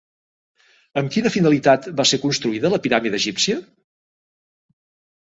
Amb quina finalitat va ser construïda la piràmide egípcia?